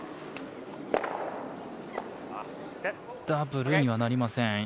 ダブルにはなりません。